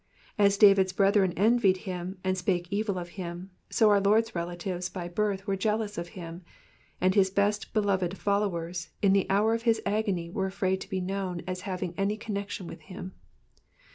As David's brethren envied him, and spake evil of him, so our Lord's relatives by birth were jealous of him, and his best beloved followers in the hour of his agony were afraid to be known as having any connection with him.